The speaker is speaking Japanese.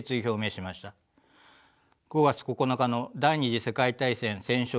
５月９日の第２次世界大戦戦勝